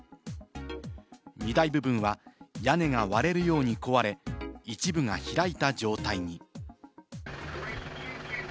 荷台部分は屋根が割れるように壊れ、一部が開いた状態に。